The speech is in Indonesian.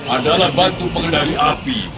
adalah batu pengendali api